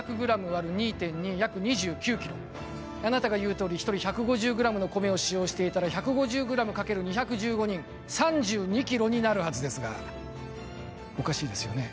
あなたが言うとおり１人１５０ｇの米を使用していたら１５０ｇ×２５０人、３２ｋｇになるはずですがおかしいですよね。